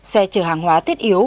xe chở hàng hóa thiết yếu